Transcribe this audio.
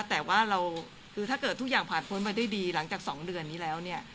แต่ว่าถ้าเกิดทุกอย่างผ่านพ้นด้วยดีหลังจากสองเดือนนี้แล้ว